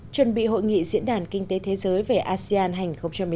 chuẩn bị hội nghị diễn đàn kinh tế thế giới về asean hai nghìn một mươi chín